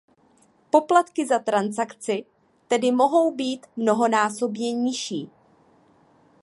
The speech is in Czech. Poplatky za transakci tedy mohou být mnohonásobně nižší.